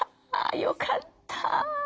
よかった！